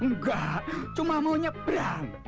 nggak cuma mau nyebrang